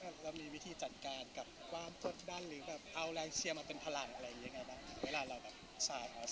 หรือเอาแรงเชียร์มาเป็นพลังอะไรอย่างไรบ้าง